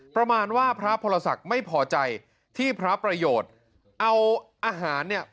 ประมาณว่าพระพรศักดิ์ไม่พอใจที่พระประโยชน์เอาอาหารเนี่ย